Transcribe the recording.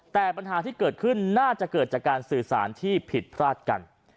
แต่ปัญหาที่เกิดขึ้นน่าจะเกิดจากการสื่อสารที่ผิดพลาดกัน